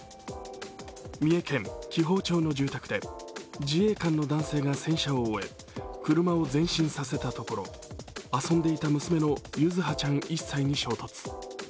三重県紀宝町の住宅で、自衛官の男性が洗車を終え、車を前進させたところ遊んでいた娘の柚葉ちゃん１歳に衝突。